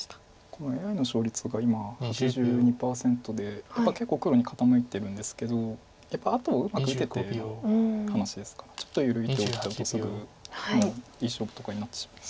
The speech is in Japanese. このＡＩの勝率が今８２％で結構黒に傾いてるんですけどやっぱり後をうまく打てての話ですからちょっと緩い手を打っちゃうとすぐいい勝負とかになってしまう。